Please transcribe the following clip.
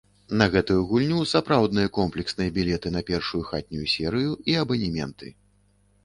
На гэтую гульню сапраўдныя комплексныя білеты на першую хатнюю серыю і абанементы.